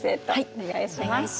お願いします。